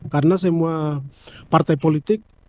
karena semua partai politik